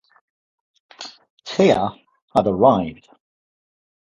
Teia had arrived.